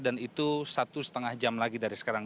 dan itu satu setengah jam lagi dari sekarang